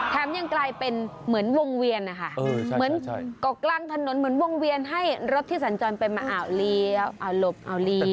ยังกลายเป็นเหมือนวงเวียนนะคะเหมือนเกาะกลางถนนเหมือนวงเวียนให้รถที่สัญจรไปมาอ่าวเลี้ยวหลบอ่าวลี